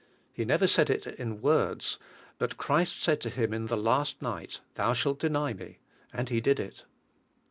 He never said it in words, but Christ said to him in the last night, "Thou shalt deny Me," and he did it.